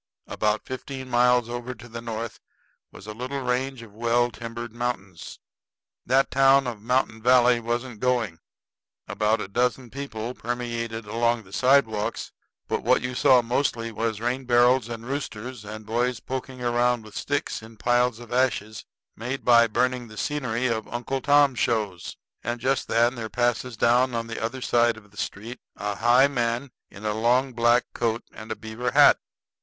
About fifteen miles over to the north was a little range of well timbered mountains. That town of Mountain Valley wasn't going. About a dozen people permeated along the sidewalks; but what you saw mostly was rain barrels and roosters, and boys poking around with sticks in piles of ashes made by burning the scenery of Uncle Tom shows. And just then there passes down on the other side of the street a high man in a long black coat and a beaver hat.